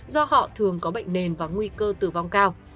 do họ thường có bệnh nền và nguy cơ tử vong cao